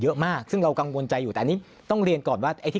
เยอะมากซึ่งเรากังวลใจอยู่แต่อันนี้ต้องเรียนก่อนว่าไอ้ที่